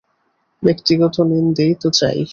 ব্যক্তিগত নিন্দেই তো চাই।